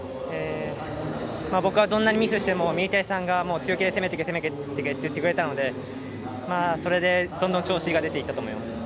僕は、どんなにミスしても水谷さんが強気で攻めていってくれたのでそれで、どんどん調子が出ていったと思います。